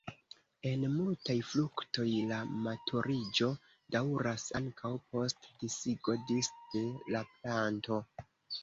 En multaj fruktoj la maturiĝo daŭras ankaŭ post disigo disde la planto.